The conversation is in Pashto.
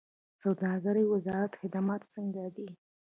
د سوداګرۍ وزارت خدمات څنګه دي؟